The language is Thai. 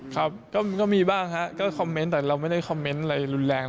ครับก็มีบ้างฮะก็คอมเมนต์แต่เราไม่ได้คอมเมนต์อะไรรุนแรง